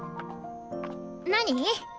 何？